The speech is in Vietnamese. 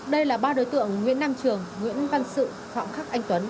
đây là ba đối tượng nguyễn nam trường nguyễn văn sự phạm khắc anh tuấn